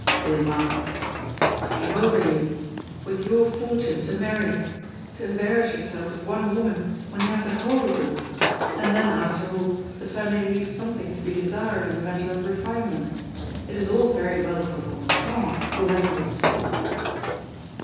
William asked: "What came over you? With your fortune, to marry to embarrass yourself with one woman, when you have the whole of them? And then, after all, the family leaves something to be desired in the matter of refinement. It is all very well for Gontran, who hasn't a sou!"